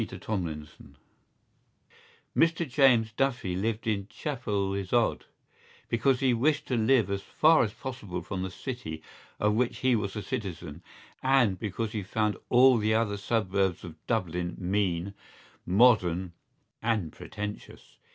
A PAINFUL CASE Mr James Duffy lived in Chapelizod because he wished to live as far as possible from the city of which he was a citizen and because he found all the other suburbs of Dublin mean, modern and pretentious.